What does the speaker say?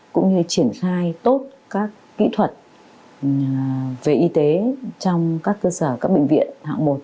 cũng như triển khai tốt các kỹ thuật về y tế trong các cơ sở các bệnh viện hạng một